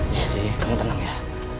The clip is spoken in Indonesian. jessi kamu tenang ya